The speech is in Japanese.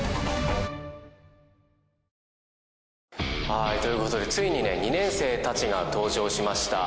はいということでついにね二年生たちが登場しました。